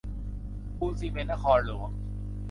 ปูนซีเมนต์นครหลวง